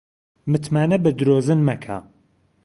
متمانە بە درۆزن مەکە